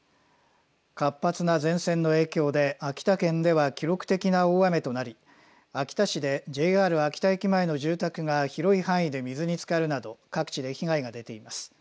活発な前線の影響で秋田県では記録的な大雨となり秋田市でＪＲ秋田駅前の住宅が広い範囲で水につかるなど各地で被害が出ています。